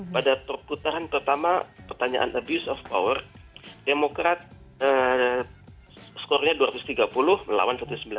pada perputaran pertama pertanyaan abuse of power demokrat skornya dua ratus tiga puluh melawan satu ratus sembilan puluh